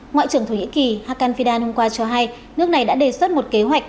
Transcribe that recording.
ngoại trưởng thổ nhĩ kỳ hakan fidan hôm qua cho hay nước này đã đề xuất một kế hoạch